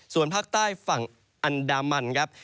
ส่วนภาคใต้ฝั่งอันดามันครับ